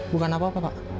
bukan apa apa pak